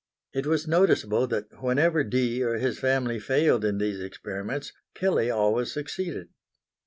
It was noticeable that whenever Dee or his family failed in these experiments, Kelley always succeeded.